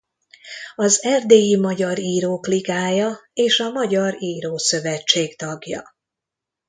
Az Erdélyi Magyar Írók Ligája és a Magyar Írószövetség tagja.